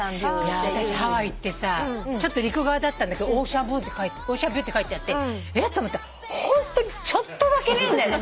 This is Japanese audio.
私ハワイ行ってさちょっと陸側だったんだけどオーシャンビューって書いてあってえっ？と思ったらホントにちょっとだけ見えんだよね。